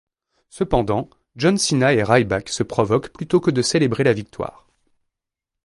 Cependant John Cena et Ryback se provoquent plutôt que de célébrer la victoire.